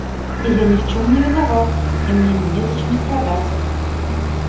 И я ни в чем не виноват, и мне не зачем страдать!